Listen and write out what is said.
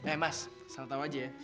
eh mas salah tahu aja ya